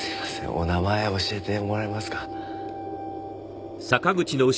お名前教えてもらえますか？